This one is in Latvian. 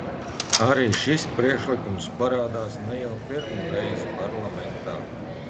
Arī šis priekšlikums parādās ne jau pirmo reizi parlamentā.